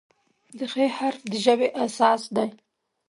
د "خ" حرف د ژبې اساس دی.